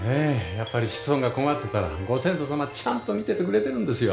やっぱり子孫が困ってたらご先祖様ちゃんと見ててくれてるんですよ。